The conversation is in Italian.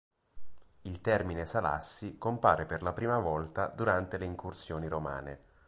Il termine Salassi compare per la prima volta durante le incursioni romane.